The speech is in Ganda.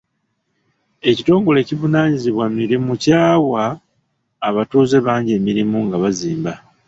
Ekitongole ekivunaanyizibwa mirimu kyawa abatuuze bangi emirimu nga bazimba.